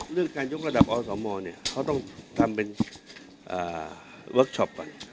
เรื่องการยกระดับอสมเขาต้องทำเป็นเวิร์คชอปไป